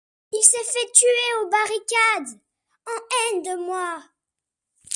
Il s’est fait tuer aux barricades ! en haine de moi !